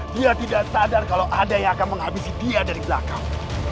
dia tidak sadar kalau ada yang akan menghabisi dia dari belakang